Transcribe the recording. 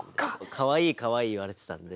「かわいいかわいい」言われてたんで。